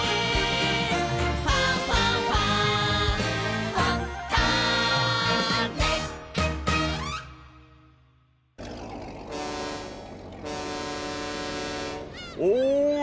「ファンファンファン」おい！